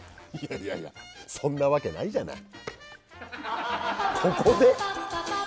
いやいやそんなわけないじゃない。